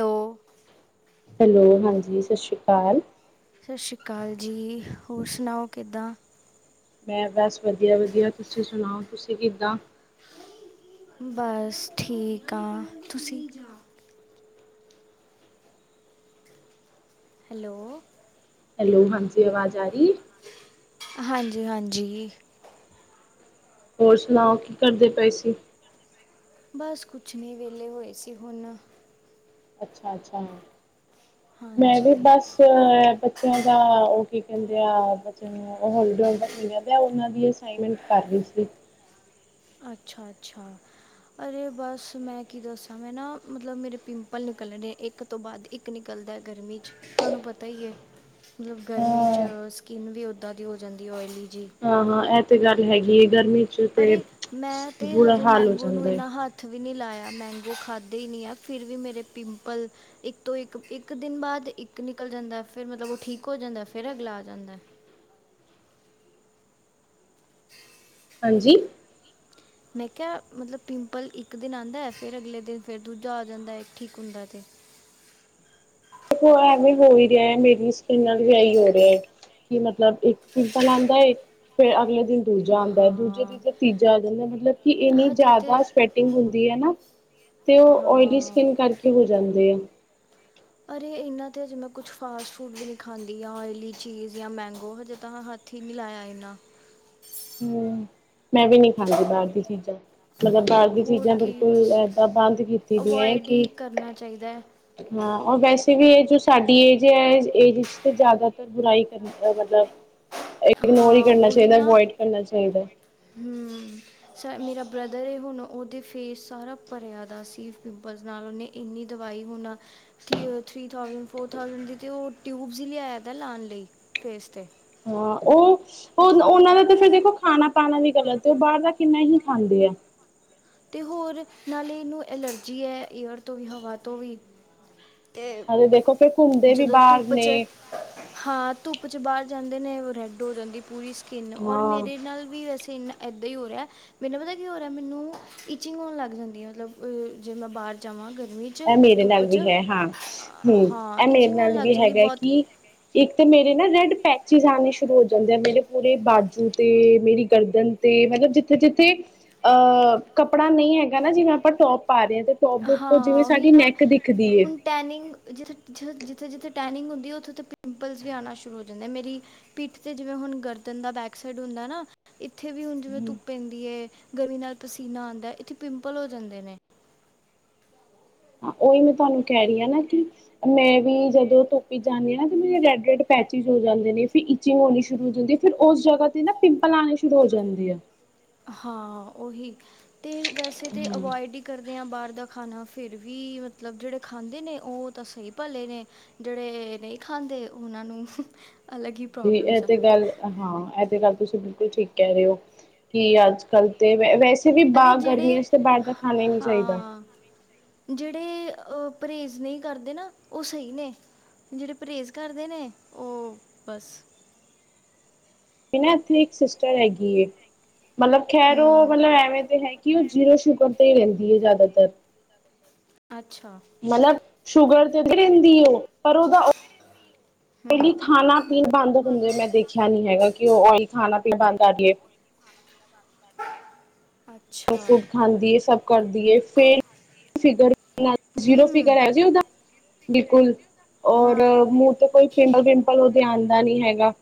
Hello hello ਹਾਂਜੀ ਸਾਸ਼ੀ ਕਾਲ। ਸ਼ਸ਼ੀ ਕਾਲ ਜੀ ਹੋਰ ਸੁਣਾਓ ਕਿੱਦਾਂ? ਮੈਂ ਬਸ ਵਧੀਆ-ਵਧੀਆ ਤੁਸੀਂ ਸੁਣਾਓ ਤੁਸੀਂ ਕਿੱਦਾਂ? ਬਸ ਠੀਕ ਆਂ ਤੁਸੀਂ ਹੈਲੋ ਹੈਲੋ ਹਾਂਜੀ ਆਵਾਜ਼ ਆ ਰੀ? ਹਾਂਜੀ-ਹਾਂਜੀ। ਹੋਰ ਸੁਣਾਓ ਕੀ ਕਰਦੇ ਪਏ ਸੀ? ਬਸ ਕੁਛ ਨੀ ਵੇਲੇ ਹੋਏ ਸੀ ਹੁਨ। ਅੱਛਾ-ਅੱਛਾ, ਮੈਂ ਵੀ ਹਾਂਜੀ ਬਸ ਮੈਂ ਬੱਚਿਆਂ ਦਾ, ਉਹ ਕੀ ਕਹਿੰਦੇ ਆ ਬੱਚਿਆਂ ਹਾਲੀਡੇਜ਼ ਵਰਕ ਮਿਲਿਆ ਦੈ, ਉਹਨਾਂ ਦੀ ਅਸਾਂਇਨਮੈਂਟ ਕਰ ਰਹੀ ਸੀ। ਅੱਛਾ-ਅੱਛਾ। ਅਰੇ ਬਸ ਮੈਂ ਕੀ ਦੱਸਾਂ ਮੈਂ ਨਾ ਮਤਲਬ ਮੇਰੇ ਪਿੰਪਲ ਨਿਕਲਨ ਡੇ ਇੱਕ ਤੋਂ ਬਾਦ ਇੱਕ ਨਿਕਲਦਾ ਗਰਮੀ 'ਚ, ਤੁਹਾਨੂੰ ਪਤਾ ਹੀ ਏ। ਮਤਲਬ ਗਰਮੀ 'ਚ ਹਾਂ ਸਕਿੰਨ ਵੀ ਉੱਦਾਂ ਦੀ ਹੋ ਜਾਂਦੀ ਓਇਲੀ ਜੀ। ਹਾਂ-ਹਾਂ, ਇਹ ਤੇ ਗੱਲ ਹੈਗੀ ਏ ਗਰਮੀ ਚ ਤੇ ਅਰੇ, ਮੈਂ ਤੇ ਬੁਰਾ ਹਜੇ ਹਾਲ ਹੋ ਮੈਂਗੋ ਨੂੰ ਜਾਂਦਾ ਹੈ ਇੰਨਾ ਹੱ ਹੱਥ ਵੀ ਨਹੀਂ ਲਾਇਆ ਮੈਂਗੋ ਖਾਧੇ ਈ ਨਹੀਂ ਆ ਫਿਰ ਵੀ ਮੇਰੇ ਪਿੰਪਲ ਇੱਕ ਤੋਂ ਇੱਕ ਇੱਕ ਦਿਨ ਬਾਦ ਇੱਕ ਨਿਕਲ ਜਾਂਦੈ, ਫਿਰ ਮਤਲਬ ਉਹ ਠੀਕ ਹੋ ਜਾਂਦੈ ਫਿਰ ਅਗਲਾ ਆ ਜਾਂਦੈ। [inaudible] ਹਾਂਜੀ। ਮੈਂ ਕਿਹਾ, ਮਤਲਬ ਪਿੰਪਲ ਇੱਕ ਦਿਨ ਆਂਦੈ ਫਿਰ ਅਗਲੇ ਦਿਨ ਫਿਰ ਦੂਜਾ ਆ ਜਾਂਦੈ ਠੀਕ ਹੁੰਦਾ ਤੇ। ਦੇਖੋ ਐਵੇਂ ਹੋ ਹੀ ਰਿਹੈ ਮੇਰੀ ਸਕਿੰਨ ਨਾਲ ਵੀ ਐਹੀ ਹੋ ਰਿਹਾ ਏ। ਕੀ ਮਤਲਬ ਇੱਕ ਪਿੰਪਲ ਆਂਦਾ ਏ, ਫੇਰ ਅਗਲੇ ਦਿਨ ਦੂਜਾ ਆਂਦਾ ਏ, ਦੂਜਾ- ਹਾਂ ਤੀਜੇ, ਤੀਜਾ ਆ ਜਾਂਦਾ ਮਤਲਬ ਕਿ ਇੰਨੀ ਹਜੇ ਤੇ ਜ਼ਿਆਦਾ ਸਵੈਟਿੰਗ ਹੁੰਦੀ ਏ ਨਾ ਤੇ ਉਹ ਓਇਲੀ ਹਾਂ ਸਕਿੰਨ ਕਰਕੇ ਹੋ ਜਾਂਦੇ ਆ। ਅਰੇ ਇਹਨਾਂ ਤੇ ਹਜੇ ਮੈਂ ਕੁਛ ਫਾਸਟ ਫੂਡ ਵੀ ਨਹੀਂ ਖਾਂਦੀ ਆ ਓਇਲੀ ਚੀਜ਼ ਯਾ ਮੈਂਗੋ ਹਜੇ ਤਾਂ ਹੱਥ ਹੱਥ ਈ ਮਿਲਾਏਆ ਏ ਨਾ। ਹਮ ਮੈਂ ਵੀ ਨਹੀਂ ਖਾਂਦੀ ਬਾਰ ਦੀ ਚੀਜ਼ਾਂ। ਮਤਲਬ ਬਾਹਰ ਦੀ ਹੋਰ ਚੀਜ਼ਾਂ ਕੀ ਬਿਲਕੁਲ ਬਸ ਏਦਾਂ ਬੰਦ ਕੀਤੀ ਦੀਆਂ ਅਵੋਇਡ ਕਿ ਹੀ ਕਰਨਾ ਚਾਹੀਦਾ ਹੈ ਹਾਂ, ਉਹ ਵੈਸੇ ਵੀ ਇਹ ਜੋ ਸਾਡੀ ਏਜ ਹੈ। ਇਸ ਏਜ ਇੱਚ ਜ਼ਿਆਦਾਤਰ ਬੁਰਾਈ ਕਰ ਦੈ ਮਤਲਬ। ਇਗਨੋਰ ਹੀ ਹਾਂ ਕਰਨਾ ਚਾਈਦੈ, ਅਵੋਇਡ ਕਰਨਾ ਚਾਹੀਦੈ। ਹੰ। ਸ ਮੇਰਾ ਬ੍ਰਦਰ ਏ, ਹੁਣ ਉਹਦੇ ਫੇਸ ਸਾਰਾ ਭਰਿਆ ਦਾ ਸੀ ਪਿੰਪਲਸ ਨਾਲ। ਉਹਨੇ ਇੰਨੀ ਦਵਾਈ ਹੁਣ ਥੀ ਅ ਥ੍ਰੀ ਥਾਉਜੇਂਟ, ਫੋਰ ਥਾਉਜੇਂਟ ਦੀ ਤੇ ਉਹ ਟਿਊਬਸ ਹੀ ਲਿਆਇਆ ਦਾ ਲਾਣ ਲਈ, ਫੇਸ ਤੇ। ਹਾਂ, ਉਹ ਉਹ ਉਹਨਾ ਦਾ ਤਾਂ ਫਿਰ ਦੇਖੋ ਖਾਣਾ-ਪਾਣਾ ਵੀ ਗਲਤ ਏ। ਉਹ ਬਾਰ ਦਾ ਕਿੰਨਾ ਹੀ ਖਾਂਦੇ ਆ। ਤੇ ਹੋਰ। ਨਾਲੇ ਐਨੂੰ ਐਲਰਜੀ ਹੈ ਏਅਰ ਤੋਂ ਵੀ, ਹਵਾ ਤੋਂ ਵੀ। ਤੇ ਹਾਂ ਦੇਖੋ, ਫਿਰ ਘੁੰਮਦੇ ਵੀ ਜਦੋਂ ਬਾਰ ਧੁੱਪ 'ਚ ਨੇ। ਹਾਂ ਧੁੱਪ ਚ ਬਾਰ ਜਾਂਦੇ ਨੇ ਰੈਡ ਹੋ ਜਾਂਦੀ ਪੂਰੀ ਸਕਿੰਨ, ਔਰ ਹਾਂ ਮੇਰੇ ਨਾਲ ਵੀ ਵੈਸੇ ਇਨਾ ਏਦਾਂ ਹੀ ਹੋ ਰਿਹਾ ਮੈਨੂੰ ਪਤਾ ਕੀ ਹੋ ਰਿਹਾ ਮੈਨੂੰ ਇੰਚਿੰਗ ਹੋਣ ਲੱਗ ਜਾਂਦੀ ਆ ਮਤਲਬ ਜੇ ਮੈਂ ਬਾਹਰ ਜਾਵਾਂ ਗਰਮੀ 'ਚ ਐ ਮੇਰੇ ਧੁੱਪ ਨਾਲ 'ਚ ਵੀ ਹੈ ਹਾਂ, ਹੂ ਹਾਂ ਐ ਮੇਰੇ ਇਚਿੰਗ ਹੋਣ ਨਾਲ ਲੱਗ ਵੀ ਜਾਂਦੀ ਹੈਗਾ ਬਹੁਤ ਕੀ ਇੱਕ ਤੇ ਮੇਰੇ ਨਾ ਰੈਡ ਪੈਚਿਸ ਆਉਣੇ ਸ਼ੁਰੂ ਹੋ ਜਾਂਦੇ ਆ ਮੇਰੇ ਪੂਰੇ ਬਾਜੂ ਤੇ ਮੇਰੀ ਗਰਦਨ ਤੇ ਮਤਲਬ ਜਿੱਥੇ ਜਿੱਥੇ ਅ ਕੱਪੜਾ ਨਹੀਂ ਹੈਗਾ ਨਾ ਜਿਵੇਂ ਆਪਾਂ ਟੋਪ ਪਾ ਰਹੇ ਆ ਤੇ ਟੋਪ ਦੇ ਉੱਪਰ ਹਾਂ ਜਿਵੇਂ ਉਹੀ ਸਾਡੀ ਨਾ ਨੈਕ ਦਿਖਦੀ ਏ ਹੁ ਟੈਨਿੰਗ ਜਿੱ ਜਿੱਥੇ ਜਿੱਥੇ ਟੈਨਿੰਗ ਹੁੰਦੀ, ਉੱਥੇ ਉੱਥੇ ਪਿੰੰਪਲਸ ਵੀ ਆਣਾ ਸ਼ੁਰੂ ਹੋ ਜਾਂਦੇ ਮੇਰੀ ਪਿੱਠ ਤੇ ਜਿਵੇਂ ਹੁਣ ਗਰਦਨ ਦਾ ਬੈਕ ਸਾਈਡ ਹੁੰਦਾ ਨਾ ਇੱਥੇ ਵੀ ਹੁਣ ਜਿਵੇਂ ਹੂੰ ਧੁੱਪ ਪੈਂਦੀ ਏ, ਗਰਮੀ ਨਾਲ ਪਸੀਨਾ ਆਂਦਾ, ਇੱਥੇ ਪਿੰਪਲ ਹੋ ਜਾਂਦੇ ਨੇ। ਹਾਂ, ਉਹੀ ਮੈਂ ਤੁਹਾਨੂੰ ਕੈ ਰਹੀ ਹਾਂ ਨਾ ਕਿ ਮੈਂ ਵੀ ਜਦੋਂ ਧੁੱਪ ਚ ਜਾਣੀਂ ਆ ਨਾ ਮੇਰੇ ਰੈੱਡ ਰੈੱਡ ਪੈਚਿਸ ਹੋ ਜਾਂਦੇ ਨੇ ਫਿਰ ਇੰਚਿੰਗ ਹੋਣੀ ਸ਼ੁਰੂ ਹੋ ਜਾਂਦੀ ਫਿਰ ਉਸ ਜਗ੍ਹਾ ਤੇ ਨਾ ਪਿੰਪਲ ਆਣੇ ਸ਼ੁਰੂ ਹੋ ਜਾਂਦੇ ਆ। ਹਾਂ ਉਹੀ ਤੇ ਵੈਸੇ ਤੇ ਅਵਾਇਡ ਹੀ ਕਰਦੇ ਹਾਂ ਬਾਹਰ ਦਾ ਖਾਣਾ, ਫਿਰ ਵੀ ਮਤਲਬ ਜੇੜੇ ਖਾਂਦੇ ਨੇ ਉਹ ਤਾਂ ਸਹੀ ਭਾਲੇ ਨੇ। ਜਿਹੜੇ ਨਹੀਂ ਖਾਂਦੇ ਉਹਨਾਂ ਨੂੰ ਅਲੱਗ ਹੀ ਜੀ ਇਹ ਪ੍ਰੋਬਲਮਸ ਆ ਤੇ ਗੱਲ ਹਾਂ ਇਹ ਤੇ ਗੱਲ ਤੁਸੀਂ ਬਿਲਕੁਲ ਠੀਕ ਕਹਿ ਰਹੇ ਹੋ ਕਿ ਅੱਜ ਅਜ ਕੱਲ ਤੇ ਵੈਸੇ ਵੀ ਅਰੇ ਬਾਰ ਗਰਮੀਆਂ ਜਿਹੜੇ ਚ ਬਾਹਰ ਦਾ ਖਾਣਾ ਹੀ ਨਹੀਂ ਚਾਈਦਾ। ਜੇੜੇ ਪਰੇਜ਼ ਨਹੀਂ ਕਰਦੇ ਨਾ ਉਹ ਸਹੀ ਨੇ। ਜੇੜੇ ਪਰੇਜ਼ ਕਰਦੇ ਨੇ ਉਹ ਬਸ। ਮੇਰੀ ਨਾ ਇੱਥੇ ਇੱਕ ਸਿਸਟਰ ਹੈਗੀ ਏ, ਮਤਲਬ ਖੈਰ ਉਹ ਹੂੰ ਮਤਲਬ ਐਵੇਂ ਤੇ ਹੈ ਕਿ ਉਹ ਜੀਰੋ ਸ਼ੂਗਰ ਤੇ ਹੀ ਰੈਂਦੀ ਏ ਜ਼ਿਆਦਾਤਰ। ਅੱਛਾ। ਮਤਲਬ ਸ਼ੂਗਰ ਤੇ ਰੈਂਦੀ ਉਹ ਪਰ ਉਹਦਾ ਹੂੰ ਪੈਲੀ ਖਾਣਾ ਪੀਣ ਬੰਦ ਹੁੰਦੇ ਮੈਂ ਦੇਖਿਆ ਨੀ ਹੈਗਾ ਕਿ ਉਹ ਓਇਲ ਖਾਣਾ ਪੀਣਾ ਬੰਦ ਰਹੀ ਏ। ਜੰਕ ਅੱਛਾ ਫੂਡ ਖਾਂਦੀ ਏ, ਸਭ ਕਰਦੀ ਏ ਫੇਰ ਫਿਗਰ ਜੀਰੋ ਹੂੰ ਫਿਗਰ ਆ ਜੇ ਉਦਾ। ਬਿਲਕੁਲ ਔਰ ਹਾਂ ਮੂੰਹ ਤੇ ਕੋਈ ਪਿੰਪਲ ਪਿੰਪਲ ਉਹਦੇ ਆਂਦਾ ਨੀ ਹੈਗਾ।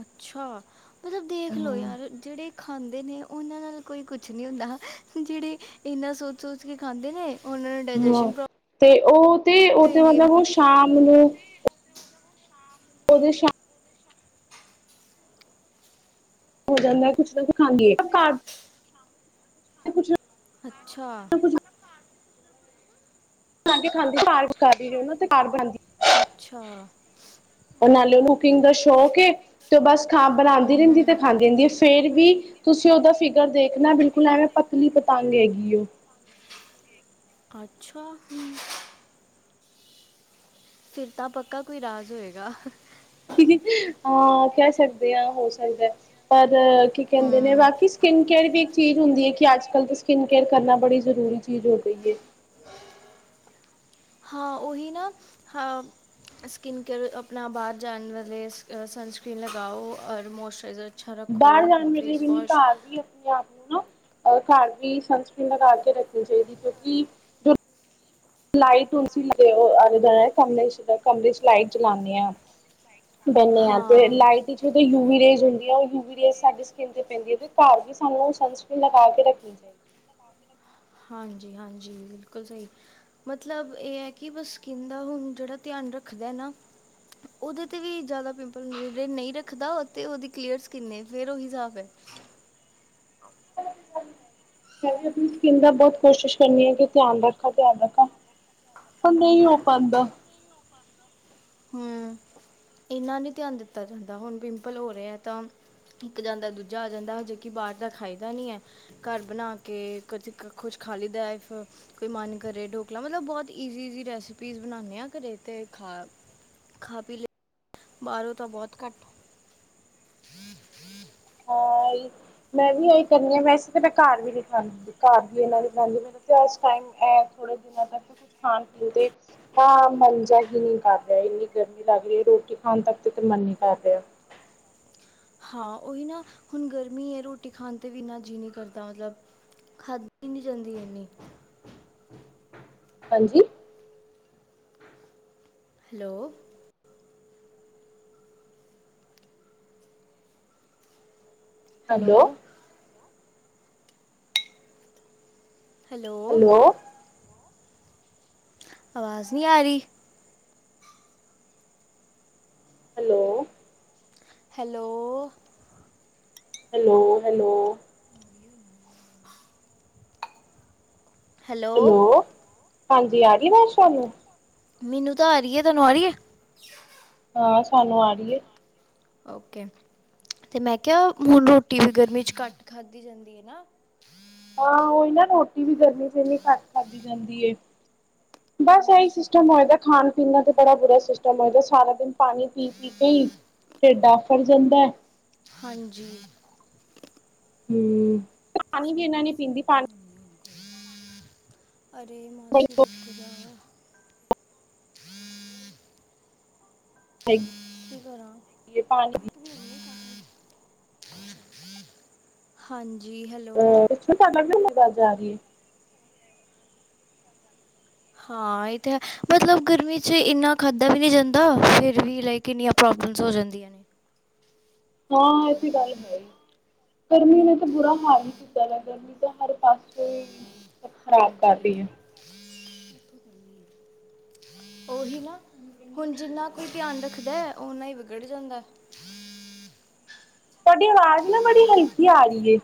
ਅੱਛਾ, ਮਤਲਬ ਦੇਖ ਲਓ ਹਾਂ ਯਾਰ ਜਿਹੜੇ ਖਾਂਦੇ ਨੇ ਉਹਨਾਂ ਨਾਲ ਕੋਈ ਕੁਛ ਨੀ ਹੁੰਦਾ ਜਿਹੜੇ ਇੰਨਾ ਸੋਚ-ਸੋਚ ਕੇ ਖਾਂਦੇ ਨੇ ਉਹਨਾਂ ਨੂੰ ਡਾਈਜੈਸ਼ਨ ਪ੍ਰੋਬਲਮ ਤੇ ਉਹ ਤੇ ਉਹ ਹੋ ਤੇ ਜਾਂਦੀ ਹੈ ਮਤਲਬ ਉਹ ਸ਼ਾਮ ਨੂੰ ਉਹਦੇ ਸ਼ ਹੋ ਜਾਂਦਾ ਕੁਛ ਨਾ ਕੁਛ [unintelligible] ਕੁਛ ਅੱਛਾ। ਨਾ ਕੁਛ ਮੰਗਾਂ ਕੇ ਖਾਂਦੀ, ਘਰ ਮੰਗਾਂ ਕੇ ਉਹਨੂੰ ਤੇ ਘਰ ਬਣਾਦੀ ਅੱਛਾ। ਉਹ ਨਾਲੇ ਉਹਨੂੰ ਕੁਕਿੰਗ ਦਾ ਸ਼ੌਕ ਏ ਤੇ ਉਹ ਬਸ ਖਾਂ ਬਣਾਉਦੀ ਹੂੰ ਰਹਿੰਦੀ ਤੇ ਹੂੰ ਖਾਂਦੀ ਰਹਿੰਦੀ। ਫੇਰ ਵੀ ਤੁਸੀਂ ਉਹਦਾ ਫਿਗਰ ਦੇਖਣਾ ਬਿਲਕੁਲ ਐਵੇਂ ਪਤਲੀ ਪਤੰਗ ਹੈਗੀ ਏ ਉਹ। ਅੱਛਾ। ਫਿਰ ਤਾਂ ਪੱਕਾ ਕੋਈ ਰਾਜ ਹੋਏਗਾ। ਹਾਂ ਕਹਿ ਸਕਦੇ ਹਾਂ, ਹੋ ਸਕਦਾ। ਪਰ ਕੀ ਕਹਿੰਦੇ ਨੇ ਹੂੰ ਬਾਕੀ ਸਕਿਨ ਕੇਅਰ ਦੀ ਇੱਕ ਚੀਜ਼ ਹੁੰਦੀ ਹੈ ਕਿ ਅੱਜ ਕੱਲ ਤਾਂ ਸਕਿਨ ਕੇਅਰ ਕਰਨਾ ਬੜੀ ਜ਼ਰੂਰੀ ਚੀਜ਼ ਹੋ ਗਈ ਏ। ਹਾਂ ਉਹੀ ਨਾ ਹਾਂ। ਸਕਿਨ ਕੇਅਰ ਆਪਣਾ ਬਾਰ ਜਾਣ ਵੇਲੇ ਸਨਸਕ੍ਰੀਨ ਲਗਾਓ ਔਰ ਮੋਇਸਚਰਾਈਜ਼ਰ ਬਾਰ ਗਰਮੀ ਕੀ ਇੰਨੀ ਘਰ ਵੀ ਏ। ਆਪਣੇ ਆਪ ਨੂੰ ਨਾ ਅਹ ਘਰ ਵੀ ਸਨਸਕ੍ਰੀਨ ਲਗਾ ਕੇ ਰੱਖਣੀ ਚਾਹੀਦੀ ਕਿਉਂਕਿ ਜੋ ਲਾਈਟ [unintelligible] ਕਮਰੇ ਚ ਲਾਈਟ ਜਲਾਨੇ ਆ। ਬਹਿਣੇ ਆ ਤੇ ਹਾਂ ਲਾਈਟ ਵਿੱਚ ਉਹ ਯੂਵੀ ਰੇਜ ਹੁੰਦੀ ਆ ਉਹ ਯੂਵੀ ਰੇਜ ਸਾਡੇ ਸਕਿਨ ਤੇ ਪੈਂਦੀ ਹੈ ਤੇ ਘਰ ਵੀ ਸਾਨੂੰ ਸੰਸਕ੍ਰੀਨ ਲਗਾ ਕੇ ਰੱਖਣੀ ਚਾਹੀਦੀ। ਹੈ। ਹਾਂਜੀ-ਹਾਂਜੀ ਬਿਲਕੁਲ ਸਹੀ। ਮਤਲਬ ਇਹ ਹੈ ਕਿ ਬਸ ਸਿਕਨ ਦਾ ਹੁਣ ਜਿਹੜਾ ਧਿਆਨ ਰੱਖਦਾ ਹੈ ਨਾ ਉਹਦੇ ਤੇ ਵੀ ਜਾਦਾ ਪਿੰਪਲ ਹੁੰ ਜੇ ਨਈ ਰੱਖਦਾ ਤੇ ਉਹਦੀ ਕਲੀਅਰ ਸਕਿੰਨ ਫੇਰ ਉਹੀ ਹਿਸਾਬ ਹੈ। ਮੈਂ ਵੀ ਆਪਣੀ ਸਕਿੰਨ ਦਾ ਬੌਤ ਕੋਸ਼ਿਸ਼ ਕਰਨੀ ਆ ਕਿ ਧਿਆਨ ਰੱਖਾ ਧਿਆਨ ਰੱਖਾ। ਪਰ ਨਈ ਹੋ ਪਾਂਦਾ। ਹੂੰ ਇਨਾ ਨੀ ਧਿਆਨ ਦਿੱਤਾ ਜਾਂਦਾ ਹੁਣ ਪਿੰਪਲ ਹੋ ਰਿਹਾ ਹੈ ਤਾਂ ਇੱਕ ਜਾਂਦਾ ਦੂਜਾ ਆ ਜਾਂਦਾ ਹਜੇਕੀ ਬਾਰ ਦਾ ਖਾਈਦਾ ਨੀ ਏ। ਘਰ ਬਣਾ ਕੇ ਕ ਕੁਛ ਖਾਲੀ ਦਾ ਕੋਈ ਮਨ ਕਰੇ ਢੋਕਲਾ ਮਤਲਬ ਬੌਤ ਈਜੀ-ਈਜੀ ਰੈਸਪੀਸ ਬਣਾਨੇ ਆ ਘਰੇ ਤੇ ਖਾ ਖਾ ਪੀ ਲੈ। ਬਾਹਰੋਂ ਤਾਂ ਬਹੁਤ ਘੱਟ। ਹਾਂ ਮੈਂ ਵੀ ਇਹੀ ਕਰਨੀ ਆ ਵੈਸੇ ਤੇ ਮੈਂ ਘਰ ਵੀ ਨੀ ਖਾ ਘਰ ਵੀ ਇਹਨਾਂ ਨੇ ਬਣਾਉਂਦੀ ਮੇਰਾ ਤੇ ਇਸ ਟਾਈਮ ਇਹ ਥੋੜ੍ਹੇ ਦਿਨਾਂ ਤੱਕ ਤਾਂ ਕੁਛ ਖਾਣ ਪੀਣ ਦੇ ਹਾਂ ਮੰਨ ਜਾ ਹੀ ਨੀ ਕਰ ਰਿਹਾ ਇੰਨੀ ਗਰਮੀ ਲੱਗ ਰਹੀ ਹੈ ਰੋਟੀ ਖਾਣ ਤੱਕ ਤੇ ਮਨ ਹੀ ਕਰ ਰਿਹਾ। ਹਾਂ ਉਹੀ ਨਾ ਹੁਣ ਗਰਮੀ ਹੈ ਰੋਟੀ ਖਾਣ ਤੇ ਵੀ ਇੰਨਾ ਜੀਅ ਨੀ ਕਰਦਾ ਮਤਲਬ। ਖਾਦੀ ਨੀ ਜਾਂਦੀ ਏਨੀ। ਹਾਂਜੀ। ਹੈਲੋ। ਹੈਲੋ। ਹੈਲੋ। ਆਵਾਜ਼ ਨੀ ਆ ਰਹੀ। Hello. Hello. Hello hello. Hello ਹਾਂਜੀ ਆ ਗਈ ਆਵਾਜ਼ ਤੁਆਨੂੰ ਮੈਨੂੰ ਤਾਂ ਆ ਰਹੀਏ ਤੈਨੂੰ ਆ ਰਹੀਏ ਹਾਂ ਸਾਨੂੰ ਆ ਰਹੀਏ। ਓਕੇ ਤੇ ਮੈਂ ਕਿਹਾ ਹੁਣ ਰੋਟੀ ਵੀ ਗਰਮੀ ਚ ਘੱਟ ਖਾਧਦੀ ਜਾਂਦੀ ਹੈ ਨਾ ਹਾਂ ਓਇ ਨਾ ਰੋਟੀ ਵੀ ਗਰਮੀ ਨਹੀ ਘੱਟ ਖਾਧਦੀ ਜਾਂਦੀ। ਬਸ ਇਹੀ ਮੌਸੀ ਸਿਸਟਮ ਹੋਏਗਾ ਖਾਣ ਪੀਨਾ ਤੇ ਬੜਾ ਬੁਰਾ ਸਿਸਟਮ ਹੋਏਦਾ ਸਾਰਾ ਦਿਨ ਪਾਣੀ ਪੀ ਪੀ ਕੇ ਹੀ ਢਿਡ ਅੰਫਰ ਜਾਂਦਾ। ਹਾਂਜੀ। ਹਮ ਪਾਣੀ ਵੀ ਇਹਨਾਂ ਨੇ ਪੀਂਦੀ ਪਾਣੀ ਅਰੇ ਮੁਛਕਲ। [unintelligible] ਹੈਗੀ ਕੀ ਪਾਣੀ ਦੀ ਕਰਨਗੇ ਘਰ ਹਾਂਜੀ ਹੈਲੋ। ਤੁਹਾਡਾ ਕਿਉਂ ਨਹੀਂ ਅਵਾਜ ਅ ਰਹਿ ਹੈ ਹਾਂ ਇਹ ਤੇ ਹੈ ਮਤਲਬ ਗਰਮੀ ਚ ਇੰਨਾ ਖਾਧਾ ਵੀ ਨਹੀਂ ਜਾਂਦਾ ਫਿਰ ਵੀ ਲਾਈਕ ਕਿੰਨੀਆਂ ਪ੍ਰੋਬਲਮਸ ਹੋ ਜਾਂਦੀਆਂ ਨੇ ਹਾਂ ਇਹਤੇ ਗੱਲ ਹੈ ਹੀ। ਗਰਮੀ ਨੇ ਤਾਂ ਬੁਰਾ ਹਾਲ ਹੀ ਕੀਤਾ ਵਾ ਗਰਮੀ ਤਾਂ ਹਰ ਪਾਸੇ ਹੀ। ਸਭ ਖ਼ਰਾਬ ਕਰ ਹਾਂਜੀ। ਰਹੀ ਹੈ। ਉਹੀ ਨਾ ਹੁਣ ਜਿੰਨਾ ਕੋਈ ਧਿਆਨ ਰੱਖਦਾ ਓਨਾ ਹੀ ਵਿਗੜ ਜਾਂਦਾ। ਤੁਹਾਡੀ ਆਵਾਜ਼ ਨਾ ਬੜੀ ਹਲਕੀ ਆ ਰਿਏ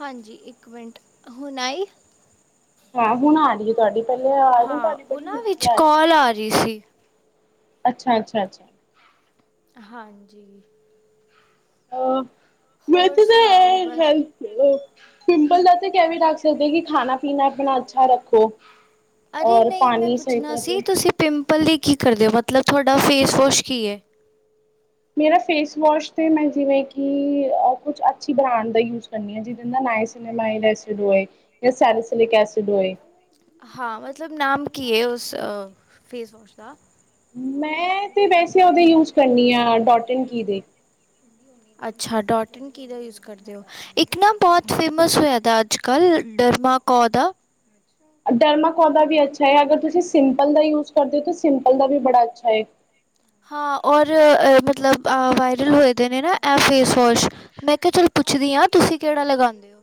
ਹਾਂਜੀ ਇੱਕ ਮਿੰਟ ਹੁਣ ਆਈ ਹਾਂ ਹੁਣ ਆ ਰਹੀ ਹੈ ਤੁਹਾਡੀ ਪਹਿਲੇ ਆ ਜਾ ਤੁਹਾਡੀ ਬੜੀ ਹਲਕੀ ਆ ਰਹੀ ਸੀ। ਪਹਿਲਾ ਆ ਰਹੀ ਸੀ। ਅੱਛਾ ਅੱਛਾ ਅੱਛਾ ਹਾਂਜੀ, [unintelligible] ਹੋਰ ਵੈਸੇ ਸੁਣਾਓ ਤਾਂ ਬਸ, ਪਿੰਪਲ ਦਾ ਤੇ ਇਹ ਵਿ ਰੱਖ ਸਕਦੇ ਕਿ ਖਾਣਾ ਪੀਣਾ ਆਪਣਾ ਅੱਛਾ ਰੱਖੋ ਅਰੇ ਔਰ ਨਹੀਂ ਮੈਂ ਪਾਣੀ ਸਹੀ ਪੁੱਛਣਾ ਤਰਾ ਪਿਓ ਸੀ ਤੁਸੀਂ ਪਿੰਪਲ ਲਈ ਕੀ ਕਰਦੇ ਹੋ ਮਤਲਬ ਤੁਹਾਡਾ ਫੇਸਵੋਸ਼ ਕੀ ਹੈ, ਮੇਰਾ ਫੇਸਵੋਸ਼ ਤਾਂ ਮੈਂ ਜਿਵੇਂ ਕਿ ਕੁਛ ਅੱਛੀ ਬ੍ਰਾਂਡ ਦਾ ਯੂਜ, ਕਰਨੀ ਆ ਜਿਦੇ ਨਾਲ ਨਾਈ ਸੀ ਨਾ ਮਈਐਡ ਐਸਿਡ ਹੋਏ ਯਾਂ ਸਰਾਸਿੱਕ ਐਸਿਡ ਹੋਏ, ਹਾਂ ਮਤਲਬ ਨਾਮ ਕੀ ਹੈ ਉਸ ਫੇਸ ਵਾਸ਼ ਦਾ ਮੈਂ ਤੇ ਵੈਸੇ ਉਹਦੇ ਯੂਜ ਕਰਨੀ ਆ ਡੋਟ ਇਨ ਕੀ ਦੇ, ਅੱਛਾ ਡੋਟ ਇਨ ਕਿ ਦਾ ਯੂਜ ਕਰਦੇ ਹੋ ਇੱਕ ਪਨਾ ਬਹੁਤ ਫੇਮਸ ਹੋਇਆ ਤਾ ਅੱਜ ਕੱਲ੍ਹ ਡਰਮਾ ਕੌ ਦਾ ਡਰਮਾਕੋ ਦਾ ਵੀ ਅੱਛਾ ਹੈ ਅਗਰ ਤੁਸੀਂ ਸਿੰਪਲ ਦਾ ਯੂਜ ਕਰਦੇ ਹੋ ਤਾਂ ਸਿੰਪਲ ਦਾ ਵੀ ਬੜਾ ਅੱਛਾ ਹੈ, ਹਾਂ ਔਰ ਮਤਲਬ ਵਾਇਰਲ ਹੋਏ ਦੇ ਨੇ ਨਾ ਇਹ ਫੇਸ ਵੋਸ਼, ਮੈਂ ਕਿਹਾ ਚਲੋ ਪੁੱਛਦੀ ਹਾਂ ਤੁਸੀਂ ਕਿਹੜਾ ਲਗਾਉਦੇ ਹੋ,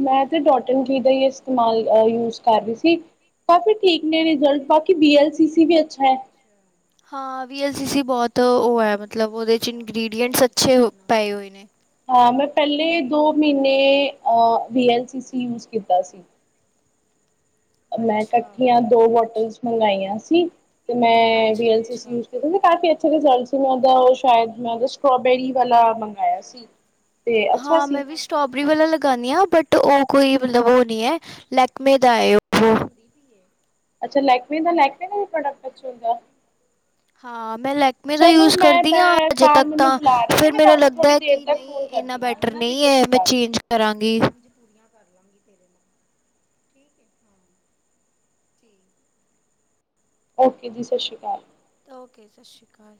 ਮੈਂ ਤੇ ਡੋਟ ਇਨ ਕੀ ਦਾ ਹੀ ਇਸਤੇਮਾਲ ਯੂਜ ਕਰ ਰਹੀ ਸੀ, ਕਾਫੀ ਠੀਕ ਨੇ ਰਿਜ਼ਲਟ ਬਾਕੀ ਵਿ ਐਲ ਸੀ ਸੀ ਵੀ ਅੱਛਾ ਹੈ, ਹਾਂ ਵੀ ਐਲ ਸੀ ਸੀ ਬਹੁਤ ਉਹ ਹੈ ਮਤਲਬ ਉਹਦੇ 'ਚ ਇੰਗਰੀਡੀਐਂਟਸ ਅੱਛੇ ਪਏ ਹੋਏ ਨੇ, ਹਾਂ ਮੈਂ ਪਹਿਲੇ ਦੋ ਮਹੀਨੇ ਵੀ ਐਲ ਸੀ ਸੀ ਯੂਜ ਕੀਤਾ ਸੀ, ਮੈਂ ਅੱਛਾ। ਇਕੱਠੀਆਂ ਦੋ ਬੋਟਲਸ ਮੰਗਾਈਆਂ ਸੀ, ਤੇ ਮੈਂ ਵੀ ਅੱਛਾ ਐਲ ਸੀ ਸੀ ਅੱਛਾ ਯੂਜ ਕੀਤਾ ਸੀ ਕਾਫੀ ਅੱਛੇ ਰਿਜ਼ਲਟ ਸੀ ਮੈਂ ਉਹਦਾ, ਸ਼ਾਇਦ ਮੈਂ ਤਾਂ ਸਟ੍ਰੋਬੇਰੀ ਵਾਲਾ ਮੰਗਾਇਆ ਸੀ, ਤੇ ਅੱਛਾ ਹਾਂ ਸੀ ਮੈਂ ਵੀ ਸ ਸਟ੍ਰਾਬੇਰੀ ਵਾਲਾ ਲਗਾਉਂਨੀ ਹਾਂ ਬਟ ਉਹ ਕੋਈ ਮਤਲਬ ਉਹ ਨਹੀਂ ਹੈ ਲੈਕਮੇ ਦਾ ਹੈ ਉਹ, ਅੱਛਾ ਲੈਕਮੀ ਦਾ ਲੈਕਮੀ ਦਾ ਪ੍ਰੋਡਕਟ ਕੁਛ ਹੁੰਦਾ, ਹਾਂ ਮੇਂ ਲੇਕਮੀ ਮੈਂ ਤਾਂ ਚਲੋ ਯੂਜ ਮੈਂ ਕਰਦੀ ਹਾਂ ਅਜੇ ਬਾਰ ਤੱਕ ਮੈਨੂੰ ਤਾਂ ਬੁਲਾ ਰਹੇ ਨੇ ਫਿਰ ਮੈਂ ਮੈਨੂੰ ਤੁਹਾਨੂੰ ਥੋੜ੍ਹੀ ਲੱਗਦਾ ਦੇਰ ਕਿ ਤੱਕ ਨਹੀਂ ਫੋਨ ਇੰਨਾ ਕਰਦੀ ਹਾਂ ਬੈਟਰ, ਹੈ ਟਰ ਨਾ ਜੀ ਨਹੀਂ ਸਤਿ ਹੈ ਸ਼੍ਰੀ ਮੈਂ ਅਕਾਲ ਚੇਂਜ ਕਰਾਂਗੀ, ਠੀਕ ਹਾਂ, ਠੀਕ, ਓਕੇ ਜੀ ਸਤਿ ਸ਼੍ਰੀ ਅਕਾਲ‌! ਓਕੇ ਸਤਿ ਸ਼੍ਰੀ ਅਕਾਲ!